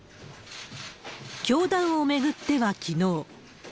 教団を巡っては、きのう。